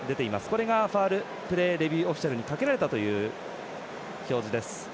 これがファウルプレーレビューオフィシャルにかけられたという表示です。